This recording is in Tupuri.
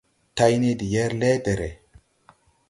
Tayne de yɛr lɛ́ɛdɛ̀rɛ̀.